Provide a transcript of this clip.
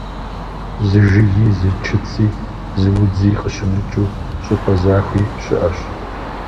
Зы жыги, зы чыци, зы удзи къыщымыкӀыу щӀыпӀэ захуи щыӀэщ.